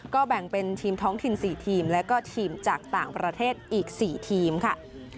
ก็แบ่งเป็นทีมท้องถิ่น๔ทีมแล้วก็ทีมจากต่างประเทศอีก๔ทีมค่ะ